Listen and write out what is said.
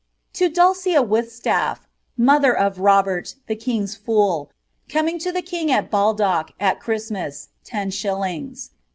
To Dulcia Withstaf^ mother of Rol^rt, Ihe king^ fool, coming to the king at Baldock, at Christmas, ten shil yags.